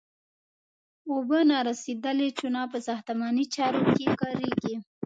اوبه نارسیدلې چونه په ساختماني چارو کې کاریږي.